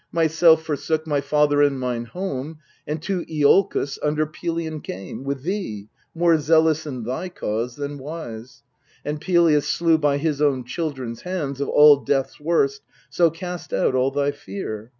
Myself forsook my father and mine home, And to lolkos under Pelion came With thee, more zealous in thy cause than wise, And Pelias slew by his own children's hands Of all deaths worst so cast out all thy ' fear.